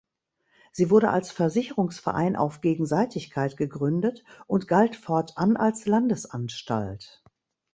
Sie wurde als Versicherungsverein auf Gegenseitigkeit gegründet und galt fortan als Landesanstalt.